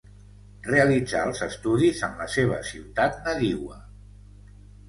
Realitzà els estudis en la seva ciutat nadiua.